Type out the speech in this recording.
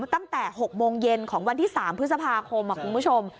ตั้งแต่๖โมงเย็นของวันที่๓พฤษภาคมคุณผู้ชม